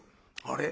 あれ？